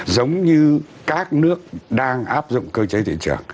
giống như các nước đang áp dụng cơ chế thị trường